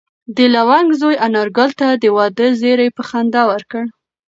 د لونګ زوی انارګل ته د واده زېری په خندا ورکړ.